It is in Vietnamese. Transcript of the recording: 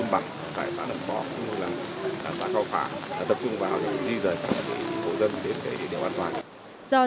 tập trung vào để di rời các hộ dân để điều an toàn